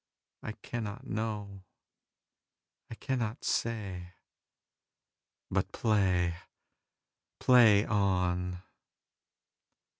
I cannot know. I cannot say. But play, play on.